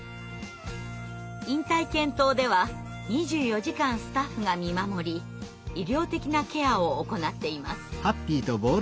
引退犬棟では２４時間スタッフが見守り医療的なケアを行っています。